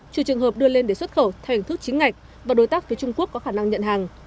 trừ trường hợp đưa lên để xuất khẩu theo hình thức chính ngạch và đối tác phía trung quốc có khả năng nhận hàng